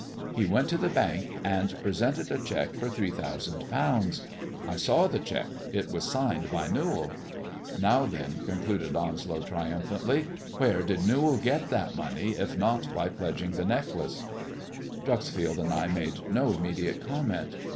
He went to the bank and presented cheque for three thousand pounds. I saw the cheque, was signed by Newall. Now then," concluded Onslow iumphantly, " where did Newall get that money if not by lodging the necklace 1 " Dreuxfield and I made no immediate comment.